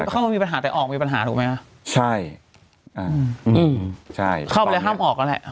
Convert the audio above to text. เข้าไม่มีปัญหาแต่ออกมีปัญหาถูกไหมครับ